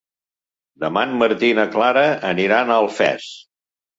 Demà en Martí i na Clara aniran a Alfés.